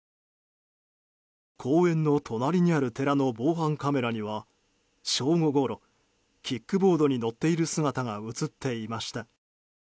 公園の隣にある寺の防犯カメラには正午ごろ、キックボードに乗っている姿が映っていました。